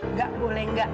nggak boleh nggak